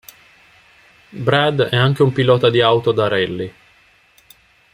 Brad è anche un pilota di auto da rally.